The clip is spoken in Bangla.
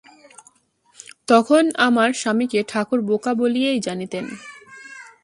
তখন আমার স্বামীকে ঠাকুর বোকা বলিয়াই জানিতেন।